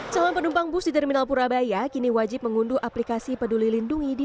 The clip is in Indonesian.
calon penumpang bus di terminal purabaya kini wajib mengunduh aplikasi peduli lindungi di